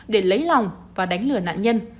để lấy lòng và đánh lừa nạn nhân